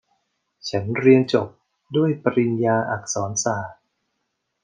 ฉันเรียนจบด้วยปริญญาอักษรศาสตร์